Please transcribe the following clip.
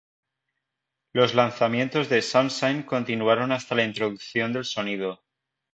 Los lanzamientos de Sunshine continuaron hasta la introducción del sonido.